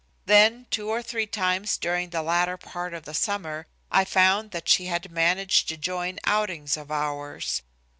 Then, two or three times during the latter part of the summer, I found that she had managed to join outings of ours.